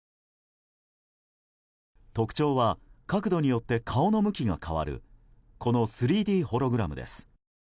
特徴は角度によって顔の向きが変わるこの３Ｄホログラムです。